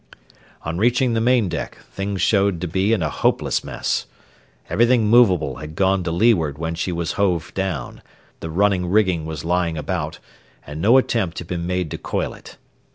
On reaching the main deck, things showed to be in a hopeless mess. Everything movable had gone to leeward when she was hove down, the running rigging was lying about, and no attempt had been made to coil it.